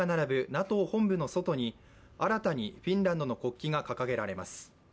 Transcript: ＮＡＴＯ本部の外に新たにフィンランドの国旗が掲げられます。